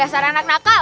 dasar anak nakal